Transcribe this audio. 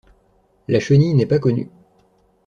La chenille n'est pas connue.